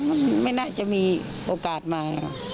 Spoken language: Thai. มันไม่น่าจะมีโอกาสมา